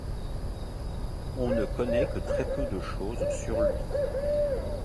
On ne connait que très peu de chose sur lui.